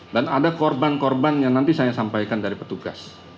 dan ada korban korban yang nanti saya sampaikan dari petugas